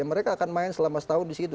mereka akan main selama setahun di situ